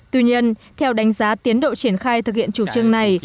tuy nhiên theo đánh giá tiến độ triển khai thực hiện chủ trương này